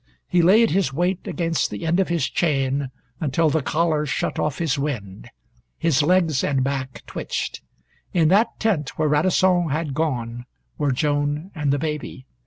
He laid his weight against the end of his chain until the collar shut off his wind. His legs and back twitched. In that tent where Radisson had gone were Joan and the baby.